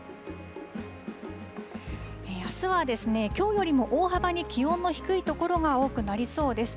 あすはきょうよりも大幅に気温の低い所が多くなりそうです。